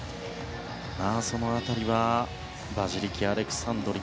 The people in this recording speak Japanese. その辺りはヴァジリキ・アレクサンドリ